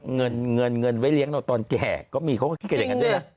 เงินเงินไว้เลี้ยงเราตอนแก่ก็มีเขาก็คิดกันอย่างนั้นด้วยนะ